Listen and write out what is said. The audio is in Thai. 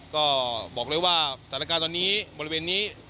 ก็บอกเลยว่าสถานการณ์ตอนนี้บริเวณนี้